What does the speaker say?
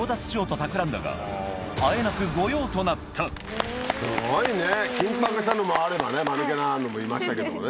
２人はすごいね緊迫したのもあればねマヌケなのもいましたけどもね。